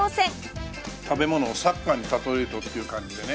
食べ物をサッカーに例えるとっていう感じでね。